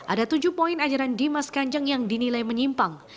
ada tujuh poin ajaran dimas kanjeng yang dinilai menyimpang